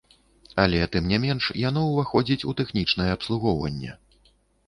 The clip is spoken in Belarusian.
Але, тым не менш, яно ўваходзіць у тэхнічнае абслугоўванне!